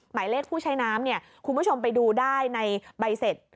หมายเลขผู้ใช้น้ำเนี่ยคุณผู้ชมไปดูได้ในใบเสร็จ